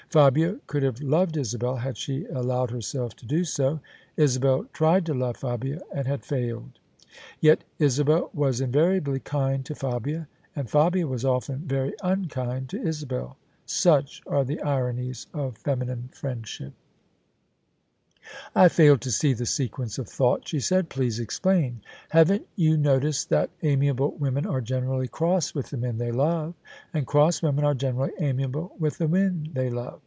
Fabia could have loved Isabel had she allowed herself to do so: Isabel tried to love Fabia and had failed. Yet Isabel was invariably kind to Fabia, and Fabia was often very unkind to Isabel. Such are the ironies of feminine friendship. OF ISABEL CARNABY " I fafl to see the sequence of thought/* she said :" please explain." " Haven't you noticed that amiable women are generally cross with the men they love, and cross women are generally amiable with the men they love?